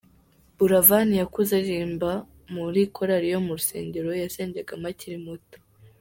Buravan yakuze aririmba muri korali yo mu rusengero yasengeragamo akiri muto.